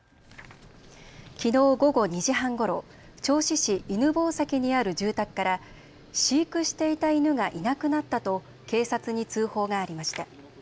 きのう午後２時半ごろ、銚子市犬吠埼にある住宅から飼育していた犬がいなくなったと警察に通報がありました。